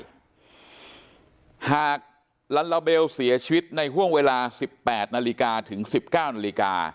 หากลัลลาเบลเสียชีวิตในห่วงเวลา๑๘นาฬิกาถึง๑๙นาฬิกา